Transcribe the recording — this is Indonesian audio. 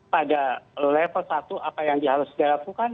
pada level satu apa yang harus dilakukan